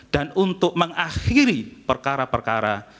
dan untuk mengakhiri perkara perkara yang tidak berjalan